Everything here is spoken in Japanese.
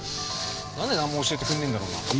何で何も教えてくんねえんだろうな？